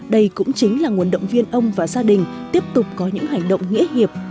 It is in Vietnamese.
đây cũng chính là nguồn động viên ông và gia đình tiếp tục có những hành động nghĩa hiệp